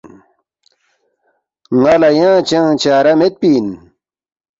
ن٘ا لہ ینگ چنگ چارہ میدپی اِن